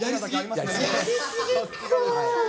やり過ぎか。